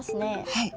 はい。